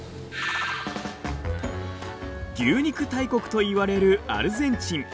牛肉大国といわれるアルゼンチン。